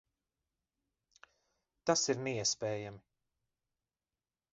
Tas ir neiespējami!